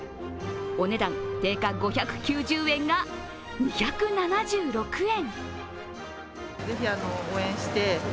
お値段、定価５９０円が２７６円。